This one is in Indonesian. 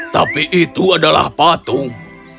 tapi itu adalah patung